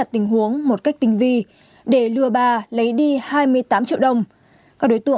thuốc diệt mũi